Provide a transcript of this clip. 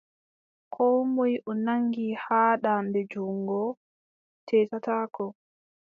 Koo moy o nanngi haa daande junngo, teetataako.